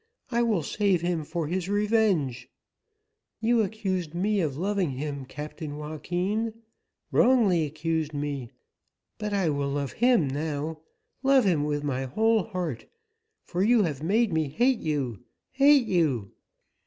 "I will save him for his revenge. You accused me of loving him, Captain Joaquin, wrongly accused me, but I will love him now, love him with my whole heart, for you have made me hate you hate you!"